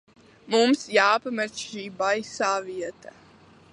Mums jāpamet šī baisā vieta.